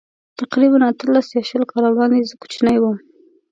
تقریباً اتلس یا شل کاله وړاندې زه کوچنی وم.